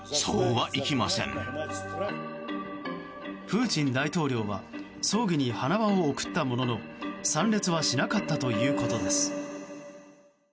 プーチン大統領は葬儀に花輪は贈ったものの参列はしなかったということです。